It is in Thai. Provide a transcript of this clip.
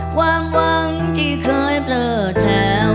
หวังที่เคยเปิดแถว